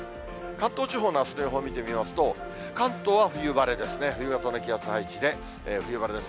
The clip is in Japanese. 関東地方のあすの予報を見てみますと、関東は冬晴れですね、冬型の気圧配置で、冬晴れです。